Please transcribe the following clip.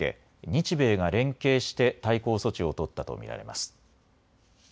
日米が連携して対抗措置を取ったと見られます。